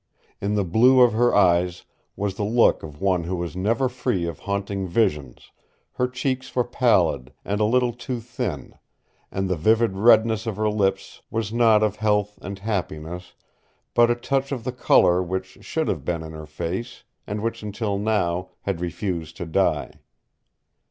In the blue of her eyes was the look of one who was never free of haunting visions, her cheeks were pallid, and a little too thin, and the vivid redness of her lips was not of health and happiness, but a touch of the color which should have been in her face, and which until now had refused to die.